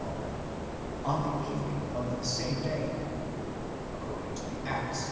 on the evening of the same day, according to the Acts i.